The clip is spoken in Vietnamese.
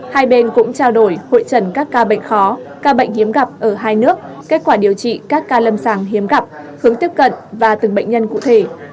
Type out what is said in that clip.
hai bên cũng trao đổi hội trần các ca bệnh khó ca bệnh hiếm gặp ở hai nước kết quả điều trị các ca lâm sàng hiếm gặp hướng tiếp cận và từng bệnh nhân cụ thể